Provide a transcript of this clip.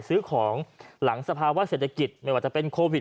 ซื้อของหลังสภาวะเศรษฐกิจไม่ว่าจะเป็นโควิด